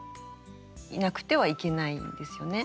いなくてはいけないんですよね。